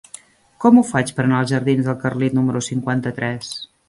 Com ho faig per anar als jardins del Carlit número cinquanta-tres?